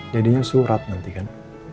jadinya surat nanti kan